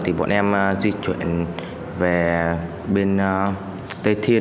thì bọn em di chuyển về bên tây thiên